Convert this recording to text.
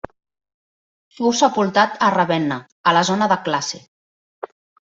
Fou sepultat a Ravenna, a la zona de Classe.